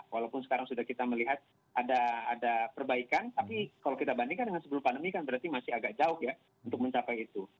walaupun sekarang sudah kita melihat ada perbaikan tapi kalau kita bandingkan dengan sebelum pandemi kan berarti masih agak jauh ya untuk mencapai itu